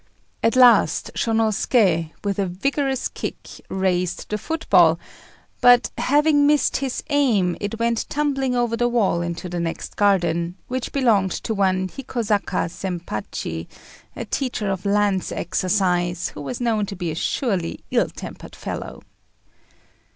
At last Shônosuké, with a vigorous kick, raised the football; but, having missed his aim, it went tumbling over the wall into the next garden, which belonged to one Hikosaka Zempachi, a teacher of lance exercise, who was known to be a surly, ill tempered fellow.